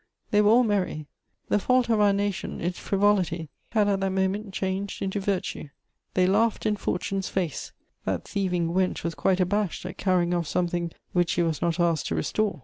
They were all merry. The fault of our nation, its frivolity, had at that moment changed into virtue. They laughed in Fortune's face: that thieving wench was quite abashed at carrying off something which she was not asked to restore.